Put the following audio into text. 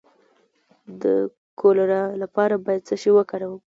د کولرا لپاره باید څه شی وکاروم؟